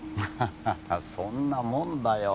そんなもんだよ。